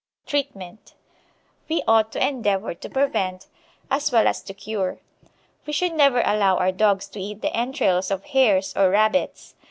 Treatment We ought to endeavour to prevent as well as to cure. We should never allow our dogs to eat the entrails of hares or rabbits.